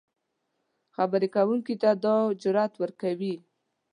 خبرې کوونکي ته دا جرات ورکوي